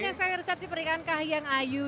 panjang sekali resepsi pernikahan kahiyang ayu